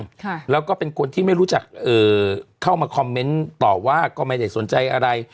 ค่ะแล้วก็เป็นคนที่ไม่รู้จักเอ่อเข้ามาคอมเมนต์ต่อว่าก็ไม่ได้สนใจอะไร